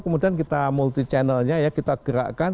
kemudian kita multi channelnya ya kita gerakkan